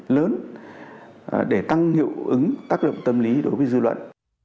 lớn để tăng hiệu ứng tác động tâm lý đối với dư luận